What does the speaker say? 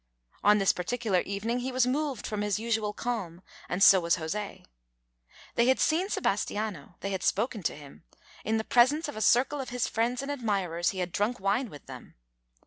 On this particular evening he was moved from his usual calm, and so was José. They had seen Sebastiano; they had spoken to him; in the presence of a circle of his friends and admirers he had drunk wine with them.